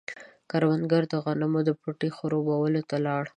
کروندګر د غنمو د پټي خړوبولو ته لاړ.